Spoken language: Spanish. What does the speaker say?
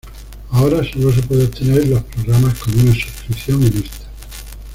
Ahora solo se puede obtener los programas con una suscripción en esta.